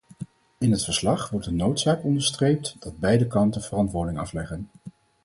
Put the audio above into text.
In het verslag wordt de noodzaak onderstreept dat beide kanten verantwoording afleggen.